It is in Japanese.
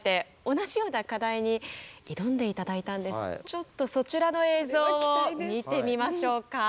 ちょっとそちらの映像を見てみましょうか。